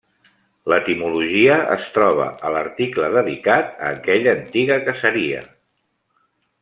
L'etimologia es troba a l'article dedicat a aquella antiga caseria.